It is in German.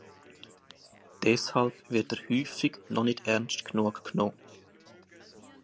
Deshalb wird er häufig noch nicht ernst genug genommen.